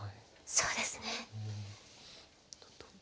そうですね。